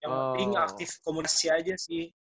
yang ping aktif komunasi aja sih